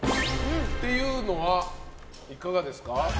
っていうのはいかがですか？